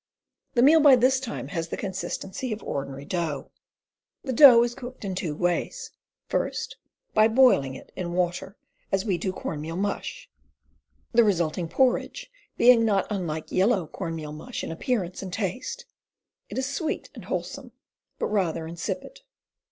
The meal by this time has the consistency of ordinary dough. The dough is cooked in two ways: first, by boiling it in water as we do corn meal mush, the resulting porridge being not unlike yellow corn meal mush in appearance and taste; it is sweet and wholesome, but rather insipid.